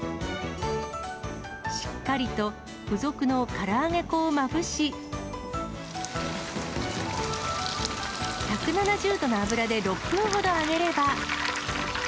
しっかりと付属のから揚げ粉をまぶし、１７０度の油で６分ほど揚げれば。